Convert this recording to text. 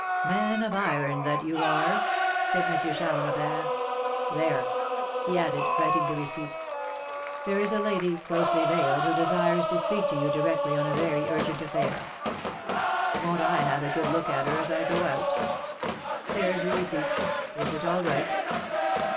"Man of iron, that you are!" said M. Charles Robert. "There!" he added, writing the receipt. "There is a lady, closely veiled, who desires to speak to you directly on a very urgent affair. Won't I have a good look at her as I go out! There's your receipt; is it all right?"